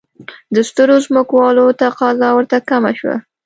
د سترو ځمکوالو تقاضا ورته کمه شوه.